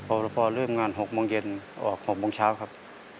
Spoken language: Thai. พอพอเริ่มงาน๖โมงเย็นออก๖โมงเช้าครับ